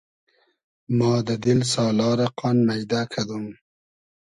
ما دۂ دیل سالا رۂ قان مݷدۂ کیدۉم